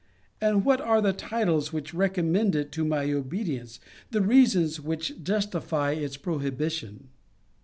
And what are the titles which recommend it to my obedience, the reasons which justify its prohibition?